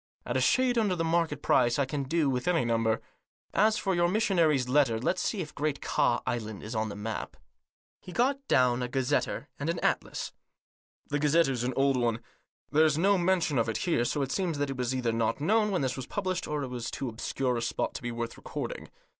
At a shade under the market price, I can do with any number. As for your missionary's letter, let's see if Great Ka Island is on the map." He got down a gazetteer and an atlas. " The gazetteer's an old one. There's no mention of it here, so it seems that it was either not known when this was published, or it was too obscure a spot to be worth recording.